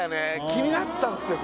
気になってたんですよ